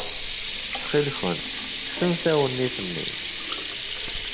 Ttxilkent, kksemt awennit-nni.